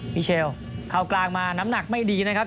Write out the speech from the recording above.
เชลเข้ากลางมาน้ำหนักไม่ดีนะครับ